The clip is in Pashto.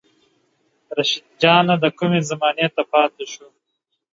رشيد جانه دا کومې زمانې ته پاتې شو